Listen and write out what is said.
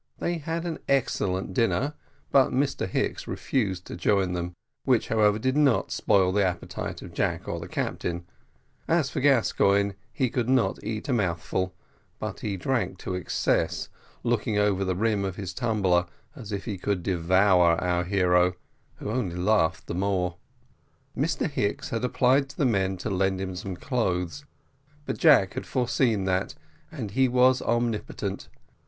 They had an excellent dinner, but Mr Hicks refused to join them; which, however, did not spoil the appetite of Jack or the captain: as for Gascoigne, he could not eat a mouthful, but he drank to excess, looking over the rim of his tumbler as if he could devour our hero, who only laughed the more. Mr Hicks had applied to the men to lend him some clothes, but Jack had foreseen that, and he was omnipotent.